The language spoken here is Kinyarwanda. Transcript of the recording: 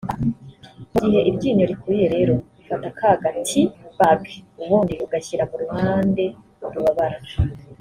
mu gihe iryinyo rikuriye rero ufata ka ga tea bag ubundi ugashyira mu ruhande rubabara